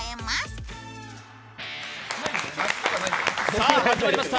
さあ、始まりました、